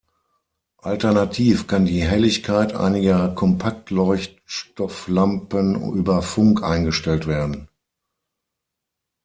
Alternativ kann die Helligkeit einiger Kompaktleuchtstofflampen über Funk eingestellt werden.